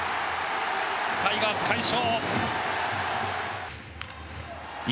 タイガース、快勝！